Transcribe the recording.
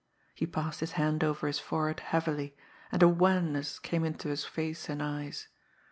He passed his hand over his forehead heavily, and a wanness came into his face and eyes.